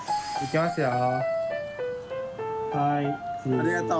ありがとう。